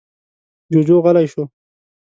جوجو غلی شو.